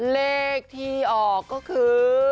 เลขที่ออกก็คือ